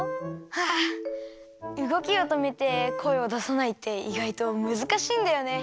はあうごきをとめてこえをださないっていがいとむずかしいんだよね！